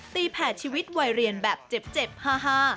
แผ่ชีวิตวัยเรียนแบบเจ็บฮา